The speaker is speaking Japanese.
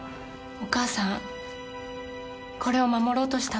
お母さんこれを守ろうとしたの。